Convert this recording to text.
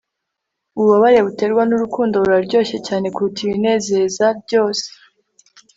ububabare buterwa nurukundo buraryoshye cyane kuruta ibinezeza byose